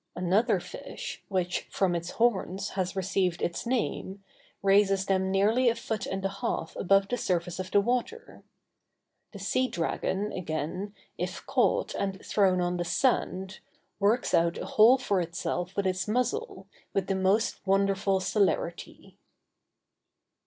Another fish, which, from its horns, has received its name, raises them nearly a foot and a half above the surface of the water. The sea dragon, again, if caught and thrown on the sand, works out a hole for itself with its muzzle, with the most wonderful celerity.